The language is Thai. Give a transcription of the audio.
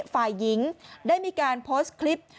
ฝ่ายหญิงได้มีการโพสต์คลิป